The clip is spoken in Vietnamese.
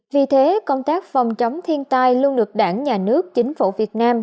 vì thế công tác phòng chống thiên tai luôn được đảng nhà nước chính phủ việt nam